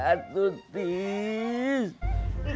bapak itu pengen pisah atu tis